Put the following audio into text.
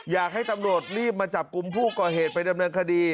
อยากให้ตำรวจรีบมาจับกลุ่มผู้ก่อเหตุไปดำเนินคดี